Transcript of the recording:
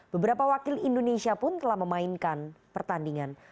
beberapa wakil indonesia pun telah memainkan pertandingan